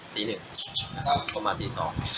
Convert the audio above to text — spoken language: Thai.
ประมาณปี๒